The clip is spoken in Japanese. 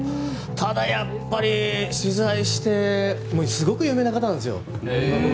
ただ取材してすごく有名な方なんですよ。